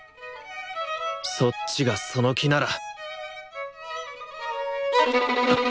そっちがその気なら！